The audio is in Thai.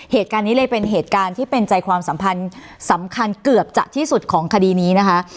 เหตุการณ์นี้เลยเป็นเหตุการณ์ที่เป็นใจความสัมพันธ์สำคัญเกือบจะที่สุดของคดีนี้นะคะ